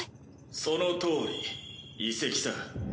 そのとおり遺跡さ。